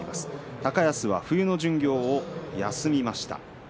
高安は冬の巡業を休みました。